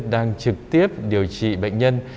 đang trực tiếp điều trị bệnh nhân